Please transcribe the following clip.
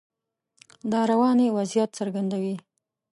دا رواني وضعیت څرګندوي.